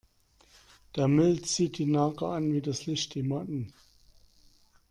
Der Müll zieht die Nager an wie das Licht die Motten.